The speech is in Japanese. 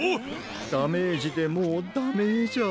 ダメージでもうダメージャ。